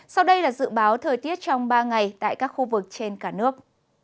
sau đây là dự báo thời tiết trong ba ngày tại các khu vực trên cả nước